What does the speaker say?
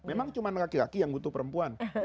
memang cuma laki laki yang butuh perempuan